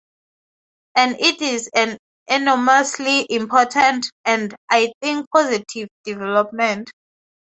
And it is an enormously important and, I think, positive development.